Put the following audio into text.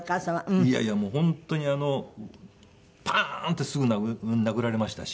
いやいやもう本当にパーンってすぐ殴られましたし。